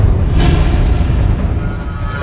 bapak ibu mau pergi